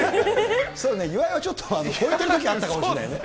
そうだね、岩井はちょっと吠えてるときあったかもしれないね。